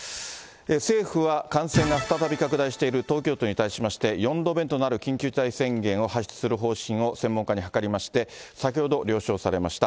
政府は感染が再び拡大している東京都に対しまして、４度目となる緊急事態宣言を発出する方針を専門家に諮りまして、先ほど、了承されました。